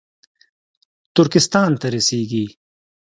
ترکستان ته رسېږي